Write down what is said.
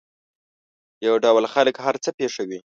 یو ډول خلک هر څه پېښوي.